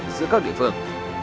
giữa các địa phương